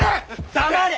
黙れ！